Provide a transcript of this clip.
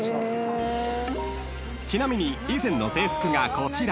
［ちなみに以前の制服がこちら］